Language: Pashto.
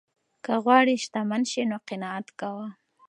که غواړې شتمن شې نو قناعت کوه.